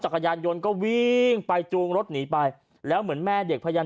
จักรยานยนต์ก็วิ่งไปจูงรถหนีไปแล้วเหมือนแม่เด็กพยายาม